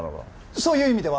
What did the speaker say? そういう意味では。